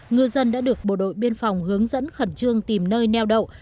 ngư dân đã được bộ đội biên phòng hướng dẫn khẩn trương tìm nơi neo đậu